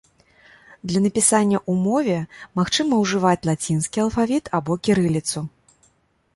Для напісання ў мове магчыма ўжываць лацінскі алфавіт або кірыліцу.